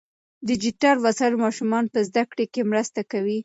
ډیجیټل وسایل ماشومان په زده کړه کې مرسته کوي.